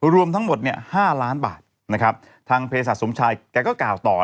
รวมทั้งหมด๕ล้านบาททางเพศสัตว์สมชัยก็กล่าวต่อ